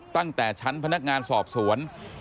ตั้งแต่ชั้นพนักงานสอบสวน